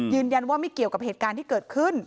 ยืนยันว่าไม่เกี่ยวกับเหตุการณ์ที่เกิดขึ้น